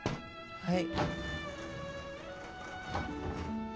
はい。